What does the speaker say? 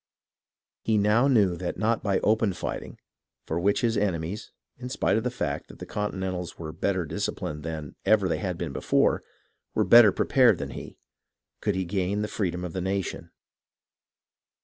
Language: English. He now knew that not by open fighting, for which his enemies, in spite of the fact that the Continentals were better dis ciplined than ever they had been before, were better pre pared than he, could he gain the freedom of the nation.